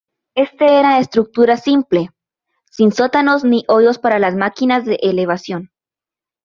Este era de estructura simple, sin sótanos ni hoyos para las máquinas de elevación.